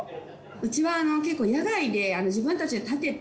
うちは結構野外で自分たちで立てて。